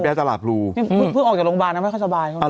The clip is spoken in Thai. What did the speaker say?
อ๋อพี่แอดตลาดพลูพึ่งออกจากโรงพยาบาลไม่ค่อยสบายหรือเปล่า